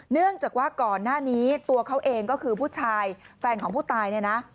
เนื่องจากว่าก่อนหน้านี้ตัวเขาเองก็คือผู้ชายแฟนของผู้ตายเนี่ยนะ